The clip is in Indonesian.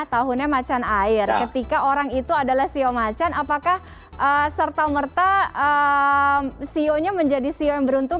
tahunnya macan air ketika orang itu adalah sio macan apakah serta merta sionya menjadi ceo yang beruntung